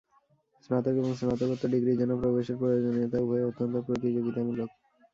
স্নাতক এবং স্নাতকোত্তর ডিগ্রির জন্য প্রবেশের প্রয়োজনীয়তা উভয়ই অত্যন্ত প্রতিযোগিতামূলক।